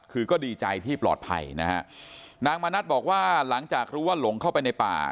คือก็ดีใจที่ปลอดภัยนะฮะนางมณัฐบอกว่าหลังจากรู้ว่าหลงเข้าไปในป่า